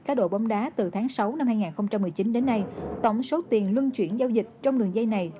cá đồ bóng đá từ tháng sáu năm hai nghìn một mươi chín đến nay tổng số tiền lưng chuyển giao dịch trong lường dây này